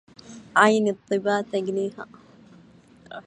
عين الظباء تجنيها